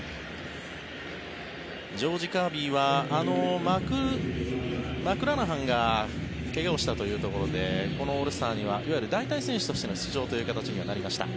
ジョージ・カービーはマクラナハンが怪我をしたというところでこのオールスターにはいわゆる代替選手としての出場という形にはなりました。